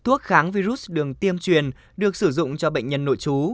thuốc kháng virus đường truyền được sử dụng cho bệnh nhân nội chú